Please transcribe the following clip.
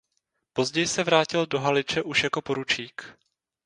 Později se vrátil do Haliče už jako poručík.